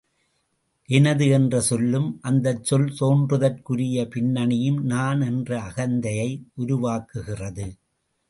எனது என்ற சொல்லும், அந்தச் சொல் தோன்றுதற்குரிய பின்னணியும் நான் என்ற அகந்தையை உருவாக்குகிறது.